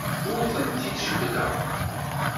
Ur tent-id-jebbdeɣ.